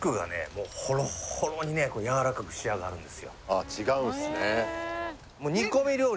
もうほろっほろにねやわらかく仕上がるんですよああ違うんすねいいね